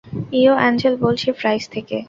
ইয়ো, Angel বলছি Fries থেকে।